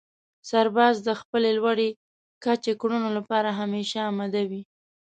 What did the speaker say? سرباز د خپلې لوړې کچې کړنو لپاره همېشه اماده وي.